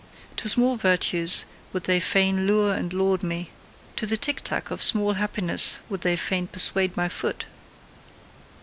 To small virtues would they fain lure and laud me; to the ticktack of small happiness would they fain persuade my foot.